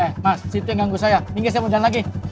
eh mas situ yang ganggu saya minggir saya mau jalan lagi